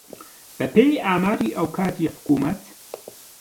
بەپێی ئاماری ئەو کاتی حکوومەت